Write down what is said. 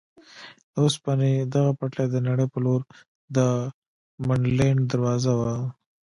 د اوسپنې دغه پټلۍ د نړۍ په لور د منډلینډ دروازه وه.